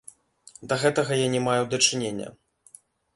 Да гэтага я не маю дачынення.